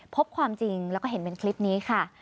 พบความจริงแล้วก็เห็นเป็นคลิปนี้ค่ะ